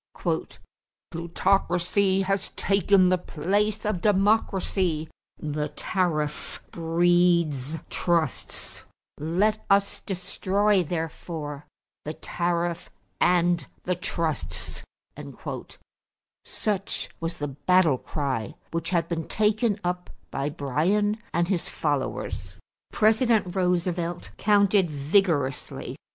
"Plutocracy has taken the place of democracy; the tariff breeds trusts; let us destroy therefore the tariff and the trusts" such was the battle cry which had been taken up by Bryan and his followers. President Roosevelt countered vigorously.